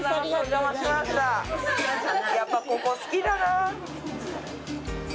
やっぱここ好きだな。